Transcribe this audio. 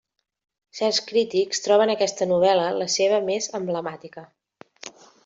Certs crítics troben aquesta novel·la la seva més emblemàtica.